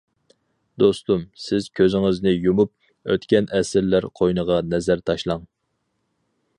دوستۇم، سىز كۆزىڭىزنى يۇمۇپ، ئۆتكەن ئەسىرلەر قوينىغا نەزەر تاشلاڭ!